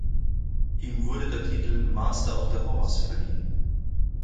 Ihm wurde der Titel Master of the Horse verliehen.